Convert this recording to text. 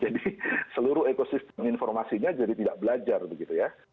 jadi seluruh ekosistem informasinya jadi tidak belajar begitu ya